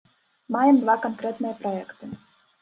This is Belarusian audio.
Маем два канкрэтныя праекты.